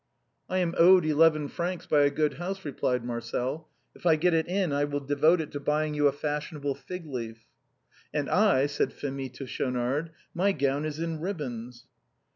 " I am owed eleven francs by a good house," replied Marcel ;" if I get it in I will devote it to buying 3'ou a fash ionable fig leaf." " And I," said Phémie to Schaunard, " my gown is in ribbons."